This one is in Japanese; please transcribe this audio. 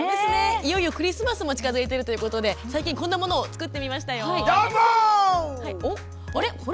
いよいよクリスマスも近づいているということで最近こんなものを作ってみました。